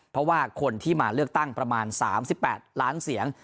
เพราะว่าคนที่มาเลือกตั้งประมาณ๓๘ล้านเสียง